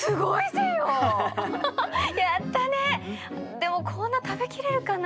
でもこんな食べきれるかな？